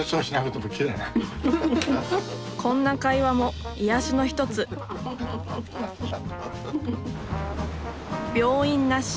こんな会話も癒やしの一つ病院なし。